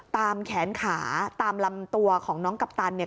แขนขาตามลำตัวของน้องกัปตันเนี่ย